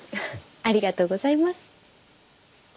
ありがとうございます。